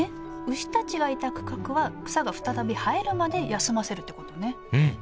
牛たちがいた区画は草が再び生えるまで休ませるってことねうん！